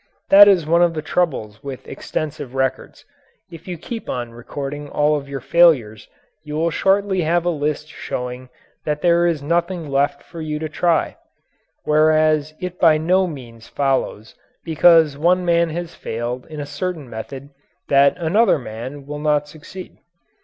That is one of the troubles with extensive records. If you keep on recording all of your failures you will shortly have a list showing that there is nothing left for you to try whereas it by no means follows because one man has failed in a certain method that another man will not succeed.